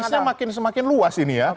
berarti kan range nya semakin luas ini ya